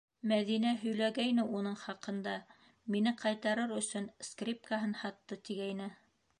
Мәҙинә һөйләгәйне уның хаҡында, мине ҡайтарыр өсөн скрипкаһын һатты, тигәйне.